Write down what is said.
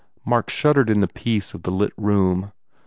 Mark shud dered in the peace of the lit room.